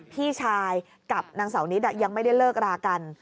พี่ชายกับนางเสานิดยังไม่ได้เลิกรากัน